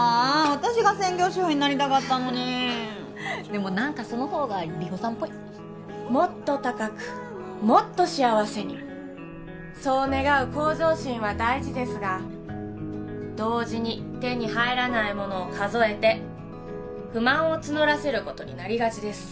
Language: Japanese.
私が専業主婦になりたかったのにでもなんかそのほうが理歩さんっぽいもっと高くもっと幸せにそう願う向上心は大事ですが同時に手に入らないものを数えて不満を募らせることになりがちです